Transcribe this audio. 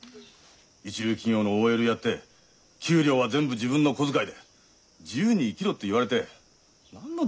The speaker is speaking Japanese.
一流企業のＯＬやって給料は全部自分の小遣いで自由に生きろって言われて何の出口だよ！？